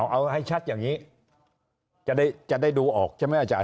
เอาให้ชัดอย่างนี้จะได้ดูออกใช่ไหมอาจาร